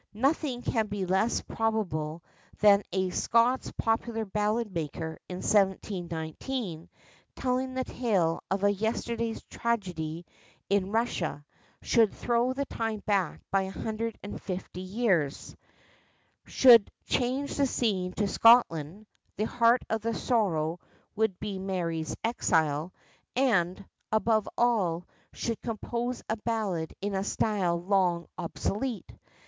Nothing can be less probable than that a Scots popular ballad maker in 1719, telling the tale of a yesterday's tragedy in Russia, should throw the time back by a hundred and fifty years, should change the scene to Scotland (the heart of the sorrow would be Mary's exile), and, above all, should compose a ballad in a style long obsolete.